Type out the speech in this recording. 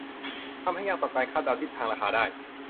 ทำให้ยากต่อการคาดเดาทิศทางราคาได้